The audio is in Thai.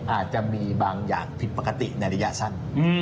อาจจะมีบางอย่างผิดปกติในระยะสั้น